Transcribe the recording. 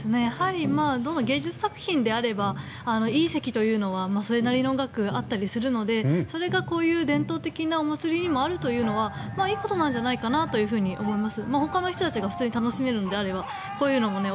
芸術作品であればいい席というのはそれなりの額があったりするのでそれがこういう伝統的なお祭りにもあるというのはいいことなんじゃないかなと思います。